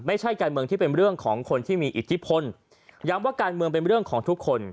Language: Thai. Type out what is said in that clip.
ไม่ใช่การเมืองที่เป็นเรื่องของคนที่มีอิทธิพลย้ำว่าการเมืองเป็นเรื่องของทุกคน